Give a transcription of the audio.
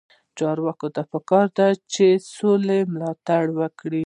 چارواکو ته پکار ده چې، سوله ملاتړ وکړي.